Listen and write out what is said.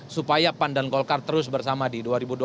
supaya pan dan golkar terus bersama di dua ribu dua puluh